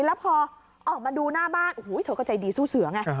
แล้วพอออกมาดูหน้าบ้านโอ้โหเธอก็ใจดีสู้เสือไง